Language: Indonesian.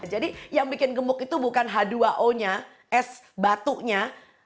jadi yang bikin gemuk itu bukan h dua o nya es batuknya